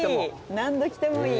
何度来てもいい。